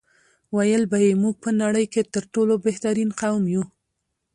ویل به یې موږ په نړۍ کې تر ټولو بهترین قوم یو.